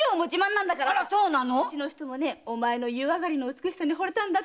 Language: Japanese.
うちの人はねお前の湯上がりの美しさに惚れたんだって！